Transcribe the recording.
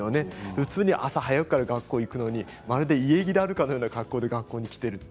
普通に朝早くから学校に行くのにまるで家着であるかのような格好で来ていて。